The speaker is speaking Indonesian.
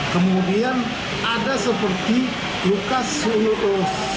kemudian ada seperti luka sulus